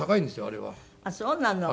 あっそうなの？